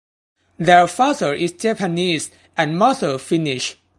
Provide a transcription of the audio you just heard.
Their father is Japanese and mother Finnish.